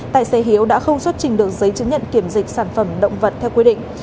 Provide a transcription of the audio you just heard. tài xế hiếu đã không xuất trình được giấy chứng nhận kiểm dịch sản phẩm động vật theo quy định